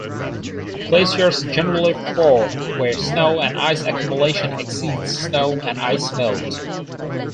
Glaciers generally form where snow and ice accumulation exceeds snow and ice melt.